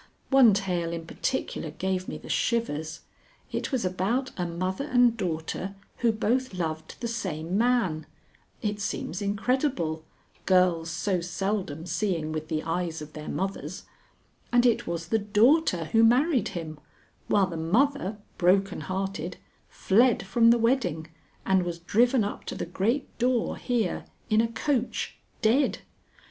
One tale in particular gave me the shivers. It was about a mother and daughter who both loved the same man (it seems incredible, girls so seldom seeing with the eyes of their mothers), and it was the daughter who married him, while the mother, broken hearted, fled from the wedding and was driven up to the great door, here, in a coach, dead.